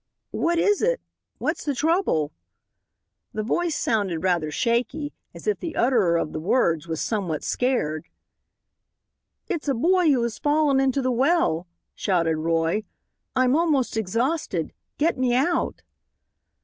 "What is it? What's the trouble?" The voice sounded rather shaky, and as if the utterer of the words was somewhat scared. "It's a boy who has fallen into the well," shouted Roy. "I'm almost exhausted. Get me out."